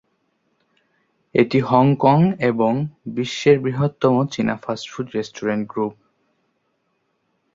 এটি হংকং এবং বিশ্বের বৃহত্তম চীনা ফাস্ট-ফুড রেস্টুরেন্ট গ্রুপ।